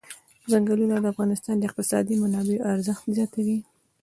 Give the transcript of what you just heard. ځنګلونه د افغانستان د اقتصادي منابعو ارزښت زیاتوي.